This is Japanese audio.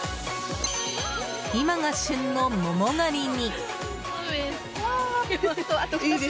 今が旬の桃狩りに。